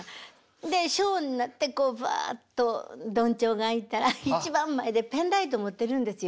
でショーになってこうバアっとどんちょうが開いたら一番前でペンライト持ってるんですよ。